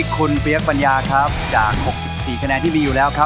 คุณเปี๊ยกปัญญาครับจาก๖๔คะแนนที่มีอยู่แล้วครับ